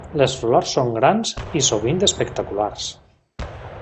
Les flors són grans i sovint espectaculars.